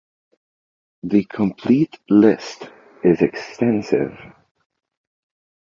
The complete list is extensive.